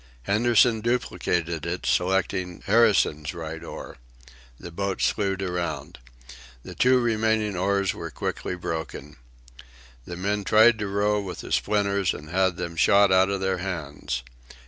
Henderson duplicated it, selecting Harrison's right oar. The boat slewed around. The two remaining oars were quickly broken. The men tried to row with the splinters, and had them shot out of their hands.